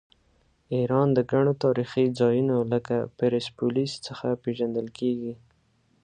ایران د ګڼو تاریخي ځایونو لکه پرسپولیس څخه پیژندل کیږي.